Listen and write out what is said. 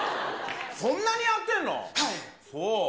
そんなにやってんの？